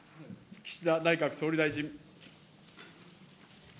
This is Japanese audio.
岸田内閣総理大臣。